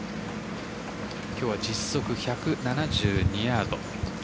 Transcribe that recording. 今日は実測１７２ヤード。